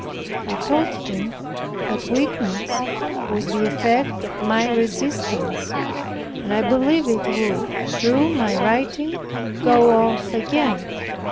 I told him, that "weakness was the effect of my resistance," and I believed it would, through my writing, go off again.